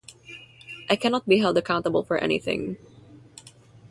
I cannot be held accountable for anything.